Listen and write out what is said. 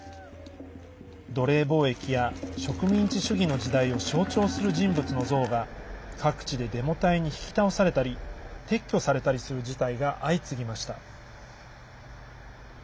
奴隷貿易や植民地主義の時代を象徴する人物の像が各地でデモ隊に引き倒されたり撤去されたりする事態が相次ぎました。